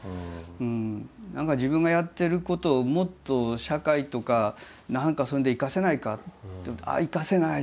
何か自分がやってることをもっと社会とか何かそういうので生かせないかと思ってああ生かせない。